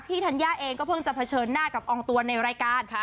ธัญญาเองก็เพิ่งจะเผชิญหน้ากับอองตัวในรายการ